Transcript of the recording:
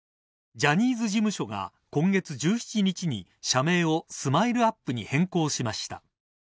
ジャニーズ事務所が今月１７日に社名をＳＭＩＬＥ‐ＵＰ．に変更しました。